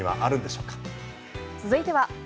続いては。